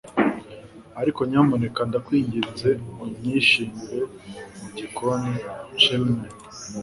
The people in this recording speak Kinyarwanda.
Ariko nyamuneka ndakwinginze unyishimire mu gikoni chimney